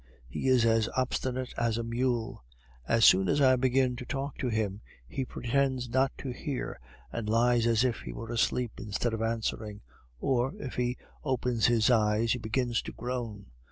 He is as obstinate as a mule. As soon as I begin to talk to him he pretends not to hear, and lies as if he were asleep instead of answering, or if he opens his eyes he begins to groan.